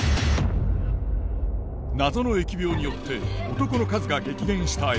謎の疫病によって男の数が激減した江戸。